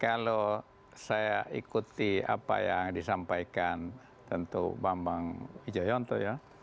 kalau saya ikuti apa yang disampaikan tentu bambang wijoyonto ya